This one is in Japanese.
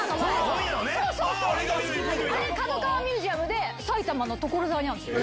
あれ角川ミュージアムで埼玉の所沢にあるんですよ。